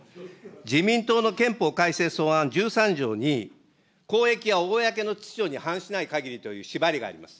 自民党の憲法改正草案１３条に、公益や公の秩序に反しないかぎりという縛りがあります。